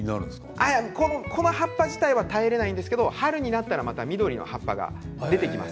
この葉っぱ自体は変わりませんけれども春になったら緑の葉っぱが出てきます。